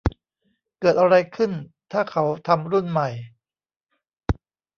เกิดอะไรขึ้นถ้าเขาทำรุ่นใหม่